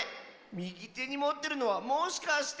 みぎてにもってるのはもしかして。